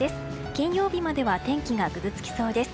金曜日までは天気がぐずつきそうです。